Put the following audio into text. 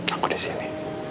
aku di sini